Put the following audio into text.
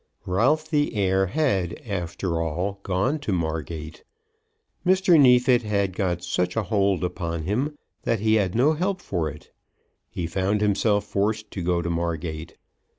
Ralph the heir had, after all, gone to Margate. Mr. Neefit had got such a hold upon him that he had no help for it. He found himself forced to go to Margate.